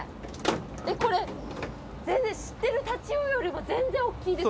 これ全然知ってる太刀魚よりも全然おっきいです。